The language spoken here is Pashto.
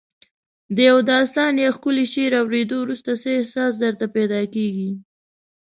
د یو داستان یا ښکلي شعر اوریدو وروسته څه احساس درته پیدا کیږي؟